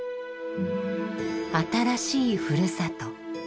新しいふるさと。